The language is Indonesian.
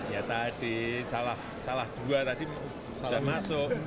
ya tadi salah dua tadi sudah masuk